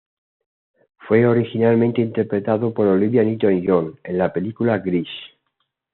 Fue originalmente interpretado por Olivia Newton-John en la película "Grease".